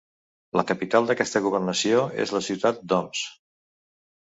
La capital d'aquesta governació és la ciutat d'Homs.